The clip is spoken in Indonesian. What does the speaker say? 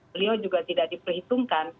beliau juga tidak diperhitungkan